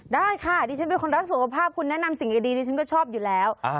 ได้ค่ะดิฉันเป็นคนรักสุขภาพคุณแนะนำสิ่งดีดิฉันก็ชอบอยู่แล้ว